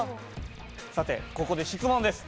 さてここで質問です。